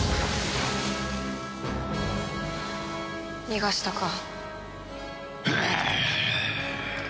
逃がしたか。